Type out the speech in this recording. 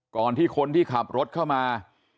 ก่อนที่คนที่ขับรถเข้ามา